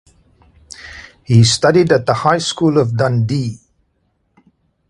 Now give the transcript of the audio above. He studied at the High School of Dundee.